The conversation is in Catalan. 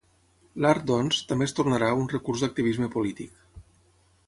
L'art, doncs, també es tornarà un recurs d'activisme polític.